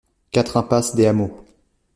quatre impasse des Hameaux